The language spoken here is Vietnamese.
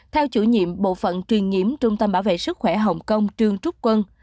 theo chủ nhiệm bộ phận truyền nhiễm trung tâm bảo vệ sức khỏe hồng kông trương trúc quân